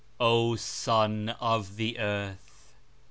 O, Son of the Earth!